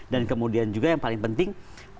dan kemudian juga yang paling penting